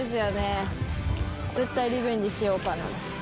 絶対リベンジしようかな。